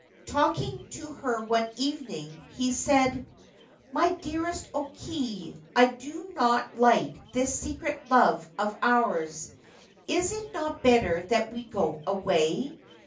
Talking to her one evening, he said : c My dearest O Kei, I do not like this secret love of ours. Is it not better that we go away